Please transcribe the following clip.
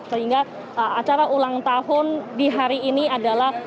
sehingga acara ulang tahun di hari ini adalah